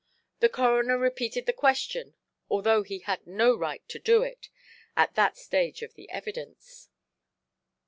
The coroner repeated the question, although he had no right to do it, at that stage of the evidence.